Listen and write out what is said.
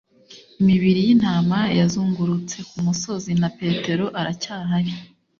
imibiri yintama yazungurutse kumusozi, na petero aracyahari